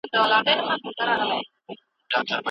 نه منزل چاته معلوم دی نه منزل ته څوک رسیږي